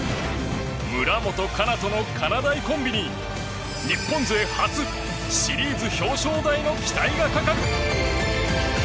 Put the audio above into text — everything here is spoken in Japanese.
村元哉中とのかなだいコンビに日本勢初シリーズ表彰台の期待がかかる！